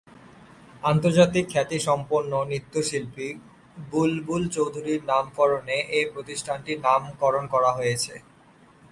আন্তর্জাতিক খ্যাতি সম্পন্ন নৃত্যশিল্পী বুলবুল চৌধুরীর নামকরণে এ প্রতিষ্ঠানটির নামকরণ করা হয়েছে।